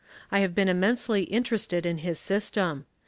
I have been immensely interested in his system.